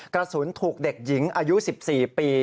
กระสุนถูกเด็กหญิงอายุ๑๔ปี